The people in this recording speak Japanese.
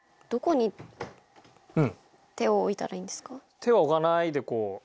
手は置かないでこう。